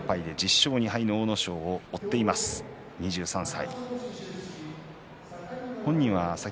１０勝２敗の阿武咲を追っています、２３歳。